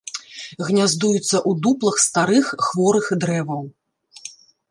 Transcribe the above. Гняздуецца ў дуплах старых хворых дрэваў.